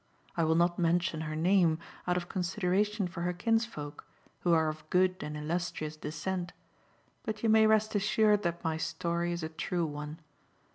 I will not mention her name, out of consideration for her kinsfolk, who are of good and illustrious descent ; but you may rest assured that my story is a true one.